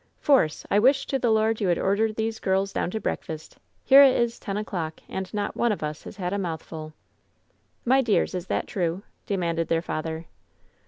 "Force! I wish to the Lord you would order these girls down to breakfast! Here it is ten o'clock and not one of us has had a mouthful.'' "My dears, is that true?" demanded their father.